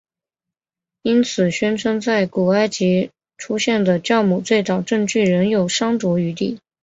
因此宣称在古埃及出现的酵母最早证据仍有商酌余地。